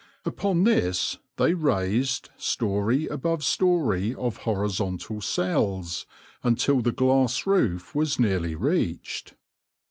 Upon this they raised story above story of horizontal cells, until the glass roof was nearly reached.